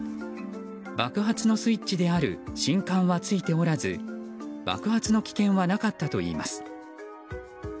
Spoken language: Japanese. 爆発のスイッチである信管は付いておらず爆発の危険はなかったといいます。